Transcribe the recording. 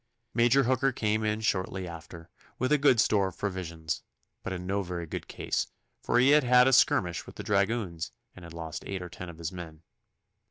Major Hooker came in shortly after with a good store of provisions, but in no very good case, for he had had a skirmish with the dragoons, and had lost eight or ten of his men.